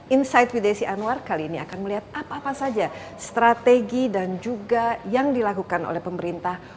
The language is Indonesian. insight with desi anwar kali ini akan melihat apa apa saja strategi dan juga yang dilakukan oleh pemerintah